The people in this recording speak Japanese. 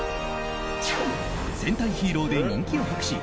戦隊ヒーローで人気を博し